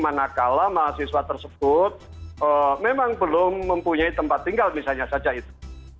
manakala mahasiswa tersebut memang belum mempunyai tempat tinggal misalnya saja itu